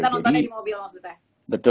kita nontonnya di mobil maksudnya